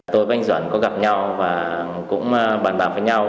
tôi với anh duẩn có gặp nhau và cũng bàn bạc với nhau